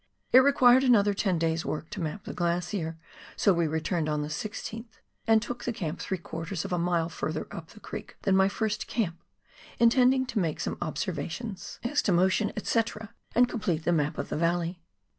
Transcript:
It required another ton days' work to map the glacier, so we returned on the 16th and took the camp three quarters of a mile further up the creek than my first camp, intending to make some observations as to 120 PIONEER WOEK IN THE ALPS OF NEW ZEALAND. motion, &c., and complete the map of the valley.